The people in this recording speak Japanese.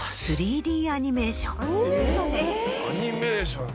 アニメーションなの？